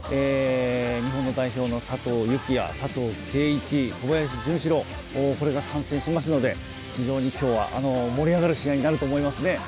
日本の代表の佐藤幸椰や佐藤慧一、小林潤志郎、これが参戦しますので、非常に今日は盛り上がる試合になると思いますね。